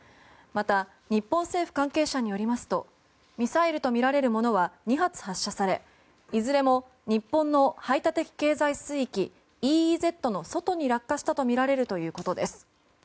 また、日本政府関係者によりますとミサイルとみられるものは２発発射されいずれも日本の排他的経済水域・ＥＥＺの外に落下したとみられるということです。